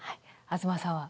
東さんは？